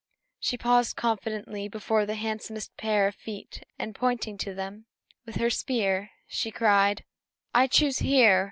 She paused confidently before the handsomest pair of feet, and, pointing to them with her spear, she cried, "I choose here!